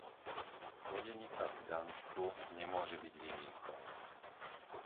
Lodenica v Gdansku nemôže byť výnimkou.